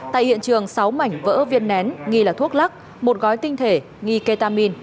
tại hiện trường sáu mảnh vỡ viên nén nghi là thuốc lắc một gói tinh thể nghi ketamin